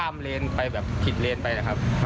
มันก็เลยล้มแล้วครับ